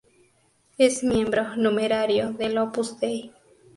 Es miembro numerario del Opus Dei.